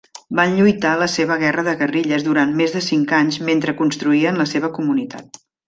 Van lluitar la seva guerra de guerrilles durant més de cinc anys mentre construïen la seva comunitat.